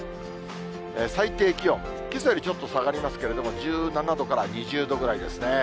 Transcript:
最低気温、けさよりちょっと下がりますけれども、１７度から２０度ぐらいですね。